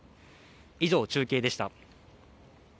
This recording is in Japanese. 以上、中継でした。